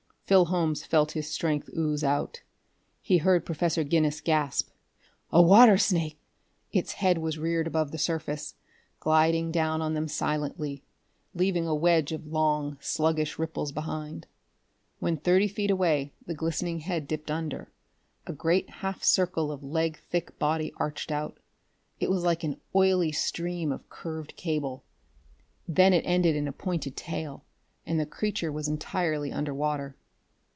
Phil Holmes felt his strength ooze out. He heard Professor Guinness gasp: "A water snake!" Its head was reared above the surface, gliding down on them silently, leaving a wedge of long, sluggish ripples behind. When thirty feet away the glistening head dipped under, and a great half circle of leg thick body arched out. It was like an oily stream of curved cable; then it ended in a pointed tail and the creature was entirely under water....